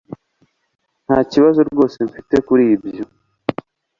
Nta kibazo rwose mfite kuri ibyo.